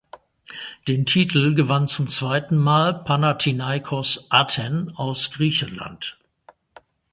Den Titel gewann zum zweiten Mal Panathinaikos Athen aus Griechenland.